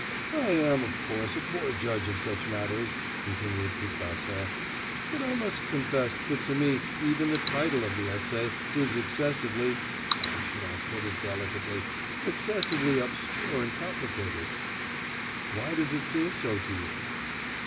'I am, of course, a poor judge of such matters,' continued Pigasov, 'but I must confess that to me even the title of the essay seems excessively (how could I put it delicately?) excessively obscure and complicated.' 'Why does it seem so to you?